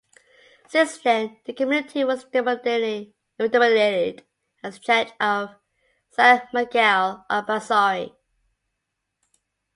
Since then, the community was denominated as church of San Miguel of Basauri.